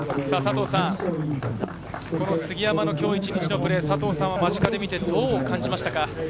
杉山の今日一日のプレー、佐藤さんは間近で見て、どう感じましたか？